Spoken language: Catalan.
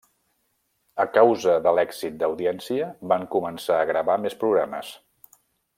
A causa de l'èxit d'audiència van començar a gravar més programes.